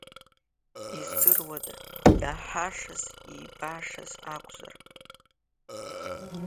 Издыруада, иаҳашаз-иибашаз акәзар?